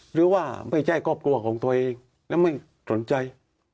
หรือว่าไม่ใช่ครอบครัวของตัวเองและไม่สนใจ